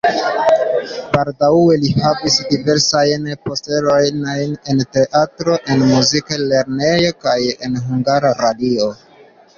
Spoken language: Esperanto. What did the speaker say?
Baldaŭe li havis diversajn postenojn en teatroj, en muzika lernejo kaj en Hungara Radio.